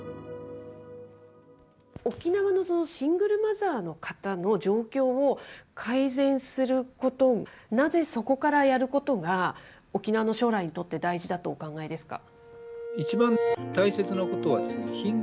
沖縄のシングルマザーの方の状況を改善すること、なぜそこからやることが沖縄の将来にとって大事だとお考えですか？